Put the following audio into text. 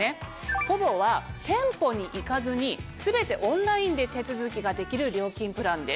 ｐｏｖｏは店舗に行かずに全てオンラインで手続きができる料金プランです。